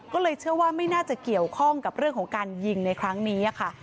ก็เลยเชื่อว่าไม่น่าจะเกี่ยวข้องกับเรื่องของการยิงในครั้งนี้ค่ะ